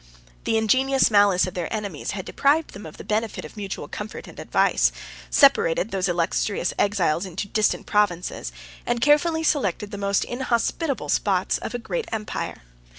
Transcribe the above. The ingenious malice of their enemies had deprived them of the benefit of mutual comfort and advice, separated those illustrious exiles into distant provinces, and carefully selected the most inhospitable spots of a great empire.